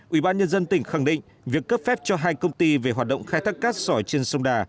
ubnd tỉnh khẳng định việc cấp phép cho hai công ty về hoạt động khai thác cát sỏi trên sông đà